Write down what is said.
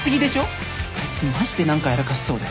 あいつマジで何かやらかしそうで。